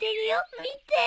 見て。